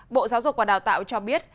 bộ giáo dục và đào tạo cho biết